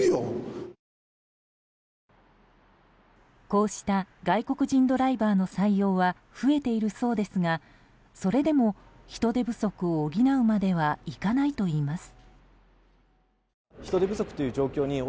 こうした外国人ドライバーの採用は増えているそうですがそれでも人手不足を補うまではいかないといいます。